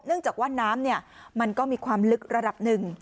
จากว่าน้ำมันก็มีความลึกระดับหนึ่ง